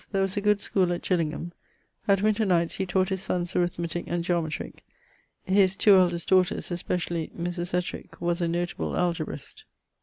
There was a good schoole at Gillingham: at winter nights he taught his sonnes Arithmetic and Geometric; his 2 eldest daughters, especially Mris Ettrick, was a notable Algebrist.